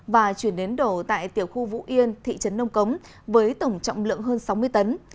và chuyển đến đổ tại tiểu khu vũ yên thị trấn nông cống với tổng trọng lượng hơn sáu mươi tấn